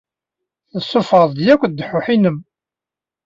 Tessuffɣeḍ-d akk ddḥuḥ-inem!